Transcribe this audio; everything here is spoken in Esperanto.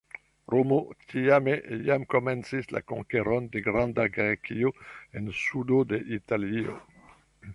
Romo, tiame, jam komencis la konkeron de Granda Grekio en sudo de Italio.